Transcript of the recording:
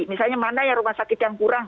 misalnya mana ya rumah sakit yang kurang